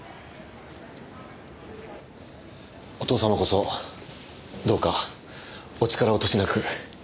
お義父様こそどうかお力落としなく。